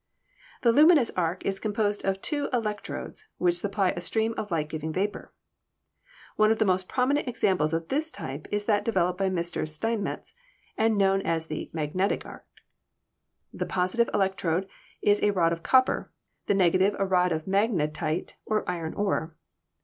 The luminous arc is composed of two electrodes which supply a stream of light giving vapor. One of the most prominent examples of this type is that developed by Mr. Steinmetz, and known as the magnetic arc. The positive electrode is a rod of copper, the negative a rod of mag netite, or iron ore.